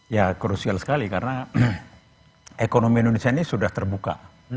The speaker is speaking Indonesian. ya krusial sekali karena ekonomi indonesia ini sudah terbuka